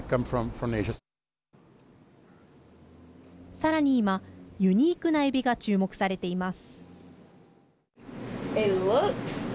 さらに今、ユニークなえびが注目されています。